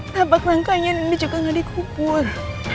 tampak rangkanya nindi juga gak dikubur